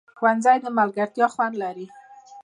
ښوونځی د ملګرتیا خوند لري